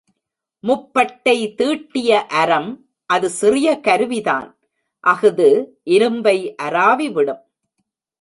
முப்பட்டை தீட்டிய அரம் அது சிறிய கருவிதான் அஃது இரும்பை அராவிவிடும்.